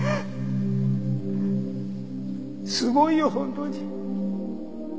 すごいよ本当に。